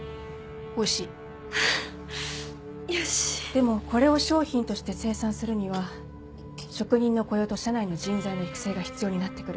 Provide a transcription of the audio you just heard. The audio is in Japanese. でもこれを商品として生産するには職人の雇用と社内の人材の育成が必要になってくる